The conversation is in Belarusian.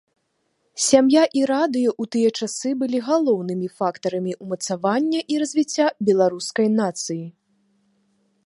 Сям'я і радыё ў тыя часы былі галоўнымі фактарамі ўмацавання і развіцця беларускай нацыі.